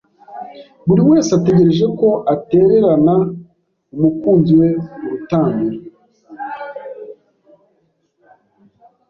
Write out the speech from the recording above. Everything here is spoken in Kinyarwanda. buriwese ategereje ko atererana umukunzi we kurutambiro